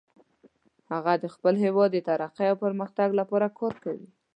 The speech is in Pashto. هغه د خپل هیواد د ترقۍ او پرمختګ لپاره کار کوي